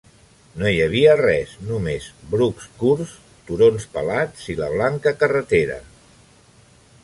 No hi havia res, només brucs curts, turons pelats i la blanca carretera.